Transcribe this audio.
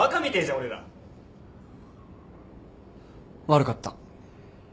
悪かった。